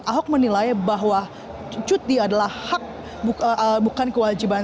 ahok menilai bahwa cuti adalah hak bukan kewajiban